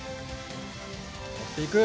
盛っていく！